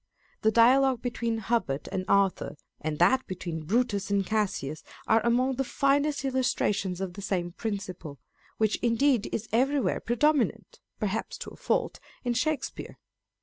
The dialogue between Hubert and Arthur, and that between Brutus and Cassius are among the finest illustrations of the same principle, which indeed is everywhere predominant (perhaps to a fault) in Shakespeare.